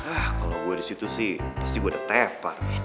ah kalo gue di situ sih di sini gue ada tepar